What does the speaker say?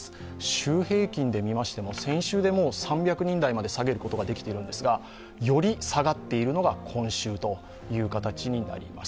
週平均で見ましても、先週でもう３００人台まで下げることができているんですが、より下がっているのが今週という形になります。